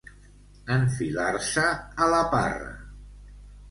Enfilar-se a la parra.